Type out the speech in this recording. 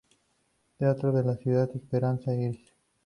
Teatro de la Ciudad Esperanza Iris.